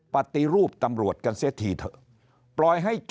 ปฏิรูปตำรวจกันเสียทีเถอะ